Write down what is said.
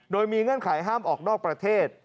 โดยมีเงื่อนไขห้ามออกนอกประเทศ